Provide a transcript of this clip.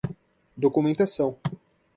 documentação